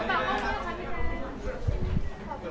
สวัสดีค่ะ